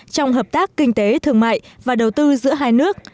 trong hợp tác kinh tế thương mại và đầu tư giữa hai nước